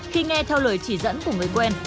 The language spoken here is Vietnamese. khi nghe theo lời chỉ dẫn của người quen